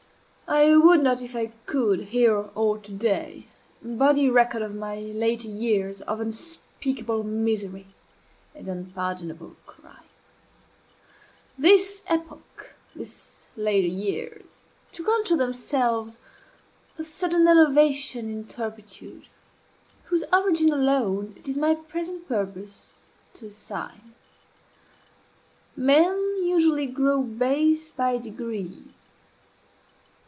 I would not, if I could, here or to day, embody a record of my later years of unspeakable misery and unpardonable crime. This epoch, these later years, took unto themselves a sudden elevation in turpitude, whose origin alone it is my present purpose to assign. Men usually grow base by degrees.